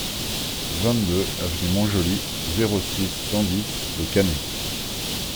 vingt-deux avenue Mont-Joli, zéro six, cent dix Le Cannet